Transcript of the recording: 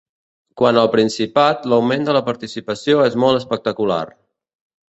Quant al Principat l’augment de la participació és molt espectacular.